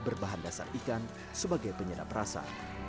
berbahan dasar ikan sebagai penyedap rasa